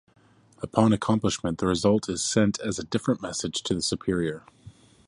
Upon accomplishment, the result is sent as a different message to the superior.